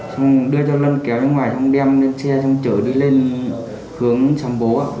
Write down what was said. xong đưa cho lân kéo ra ngoài xong đem lên xe xong chở đi lên hướng sàm bố ạ